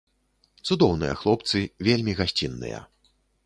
Цудоўныя хлопцы, вельмі гасцінныя.